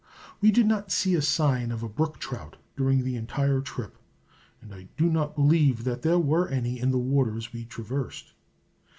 We did not see a sign of a brook trout during the entire trip, and I do not believe that there were any in the waters we traversed.